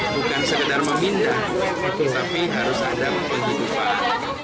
bukan sekedar memindah tapi harus ada penghidupan